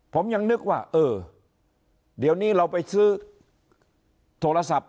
ผมยังนึกว่าเออเดี๋ยวนี้เราไปซื้อโทรศัพท์